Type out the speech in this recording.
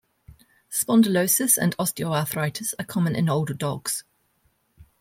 Spondylosis and osteoarthritis are common in older dogs.